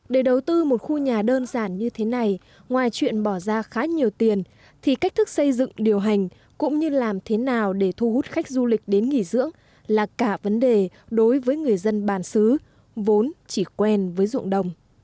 để đầu tư một khu nhà đơn giản như thế này ngoài chuyện bỏ ra khá nhiều tiền thì cách thức xây dựng điều hành cũng như làm thế nào để thu hút khách du lịch đến nghỉ dưỡng là cả vấn đề đối với người dân bản xứ vốn chỉ quen với ruộng đồng